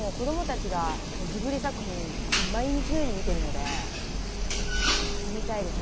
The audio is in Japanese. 子供たちがジブリ作品、毎日のように見てるので、行ってみたいですね。